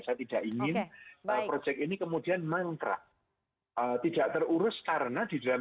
saya tidak ingin proyek ini kemudian mangkrak tidak terurus karena di dalam